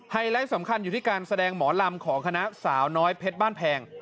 ไลท์สำคัญอยู่ที่การแสดงหมอลำของคณะสาวน้อยเพชรบ้านแพง